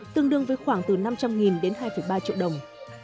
tương đương với khoảng từ năm trăm linh đến hai ba triệu đồng